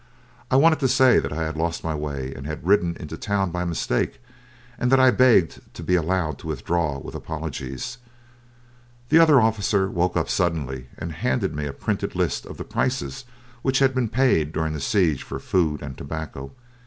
I wanted to say that I had lost my way and had ridden into the town by mistake, and that I begged to be allowed to withdraw with apologies. The other officer woke up suddenly and handed me a printed list of the prices which had been paid during the siege for food and tobacco.